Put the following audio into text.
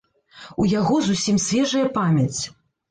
У яго зусім свежая памяць.